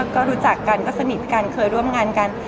ก็รู้จักกันก็สนิทกันเคยร่วมงานกัน